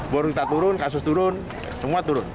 bor kita turun kasus turun semua turun